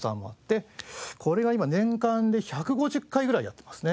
これは今年間で１５０回ぐらいやってますね。